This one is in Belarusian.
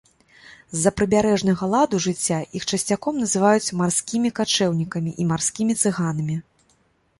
З-за прыбярэжнага ладу жыцця іх часцяком называюць марскімі качэўнікамі і марскімі цыганамі.